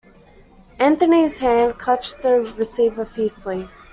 Anthony's hand clutched the receiver fiercely.